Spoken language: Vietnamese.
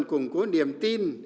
củng cố niềm tin